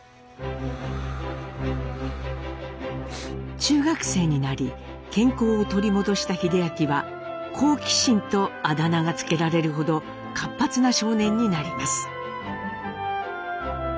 中学生になり健康を取り戻した英明は「好奇心」とあだ名が付けられるほど活発な少年になります。